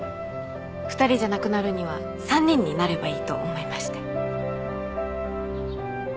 ２人じゃなくなるには３人になればいいと思いまして。